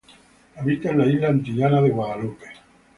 Habita en la isla antillana de Guadalupe.